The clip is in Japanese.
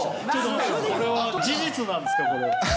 これは事実なんですか？